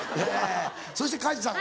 そして加治さん。